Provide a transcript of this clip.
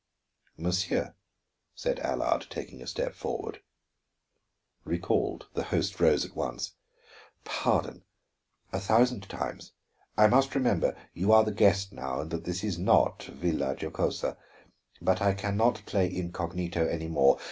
"Monsieur," said Allard, taking a step forward. Recalled, the host rose at once. "Pardon a thousand times; I must remember you are the guest now and that this is not Villa Giocosa. But I can not play incognito any more.